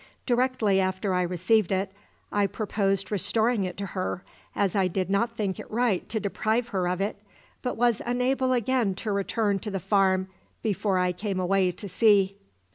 Directly after I received it I purposed restoring it to her, as I did not think it right to deprive her of it, but was unable again to return to the farm before I came away to sea."